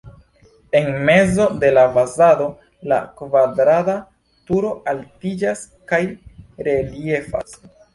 En mezo de la fasado la kvadrata turo altiĝas kaj reliefas.